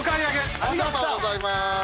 ありがとうございます。